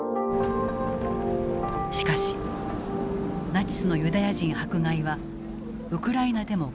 しかしナチスのユダヤ人迫害はウクライナでも変わらなかった。